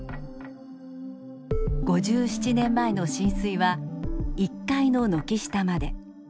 ５７年前の浸水は１階の軒下まで。